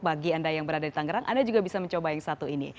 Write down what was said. bagi anda yang berada di tangerang anda juga bisa mencoba yang satu ini